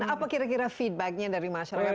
apa kira kira feedback nya dari masyarakat